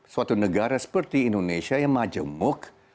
suatu negara seperti indonesia yang majemuk